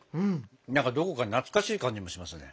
何かどこか懐かしい感じもしますね。